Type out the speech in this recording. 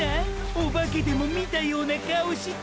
オバケでも見たような顔して。